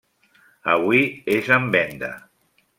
Avui és en venda.